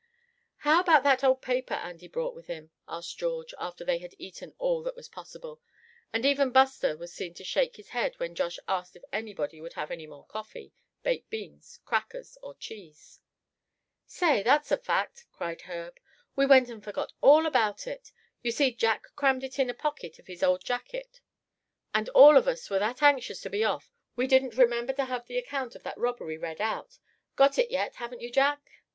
"How about that old paper Andy brought with him?" asked George, after they had eaten all that was possible; and even Buster was seen to shake his head when Josh asked if anybody would have any more coffee, baked beans, crackers, or cheese. "Say, that's a fact!" cried Herb, "we went and forgot all about it. You see, Jack crammed it in a pocket of his old jacket; and all of us were that anxious to be off we didn't remember to have the account of the robbery read out. Got it yet, haven't you, Jack?"